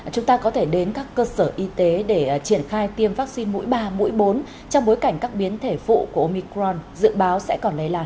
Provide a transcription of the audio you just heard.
chúng ta có thể đến các cơ sở y tế để triển khai tiêm vaccine mũi ba mũi bốn trong bối cảnh các biến thể phụ của omicron dự báo sẽ còn lây lan